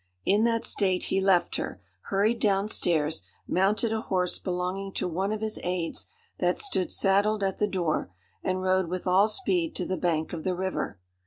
In that state he left her, hurried down stairs, mounted a horse belonging to one of his aides that stood saddled at the door, and rode with all speed to the bank of the river.